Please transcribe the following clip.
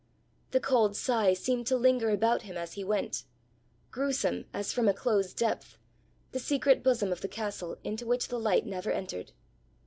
The cold sigh seemed to linger about him as he went gruesome as from a closed depth, the secret bosom of the castle, into which the light never entered.